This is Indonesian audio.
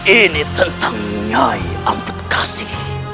ini tentang nyai ambedkasi